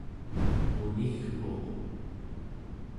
qunigquq